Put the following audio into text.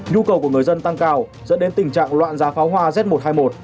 nhu cầu của người dân tăng cao dẫn đến tình trạng loạn giá pháo hoa z một trăm hai mươi một